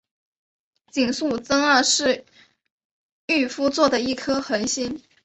井宿增二是御夫座的一颗恒星。